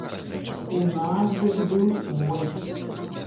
У нас дык быў свой.